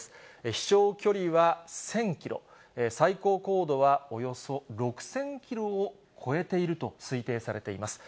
飛しょう距離は１０００キロ、最高高度はおよそ６０００キロを超えていると推定されています。